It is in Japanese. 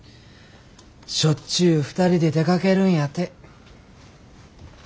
しょっちゅう２人で出かけるんやて。